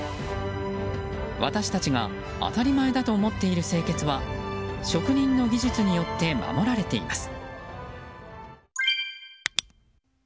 私たちが当たり前だと思っている清潔は職人の技術によって守られています。